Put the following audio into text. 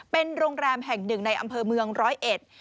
เป็นโรงแรมแห่งหนึ่งในอำเภอเมืองร้อยเอ็ด